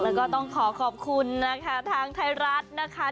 แล้วก็ต้องขอขอบคุณนะคะทางไทยรัฐนะคะ